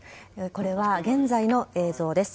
これは現在の映像です。